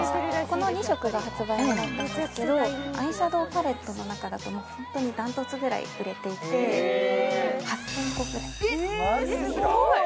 この２色が発売になったんですけどアイシャドウパレットの中だとホントにダントツぐらい売れていて８０００個ぐらいえーすごい